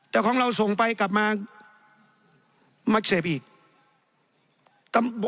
แต่ของเราส่งไปกลับมามาเสพอีก